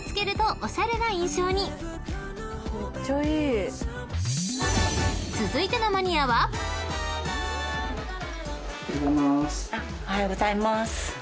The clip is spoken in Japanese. おはようございます。